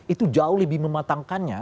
itu jauh lebih mematangkannya